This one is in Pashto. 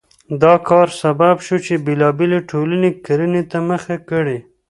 دا کار سبب شو چې بېلابېلې ټولنې کرنې ته مخه کړي.